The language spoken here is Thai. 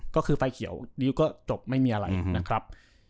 ก็คือไฟเขียวริ้วก็จบไม่มีอะไรนะครับ